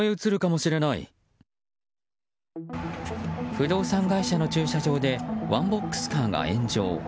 不動産会社の駐車場でワンボックスカーが炎上。